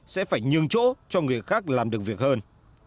sẽ phải nhường chỗ cho người khác làm được việc hơn